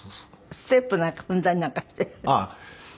ステップなんか踏んだりなんかして。